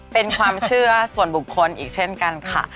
เป็นความเชื่อส่วนบุคคลอีกเช่นกันค่ะ